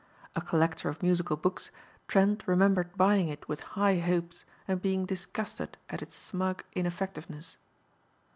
A collector of musical books, Trent remembered buying it with high hopes and being disgusted at its smug ineffectiveness.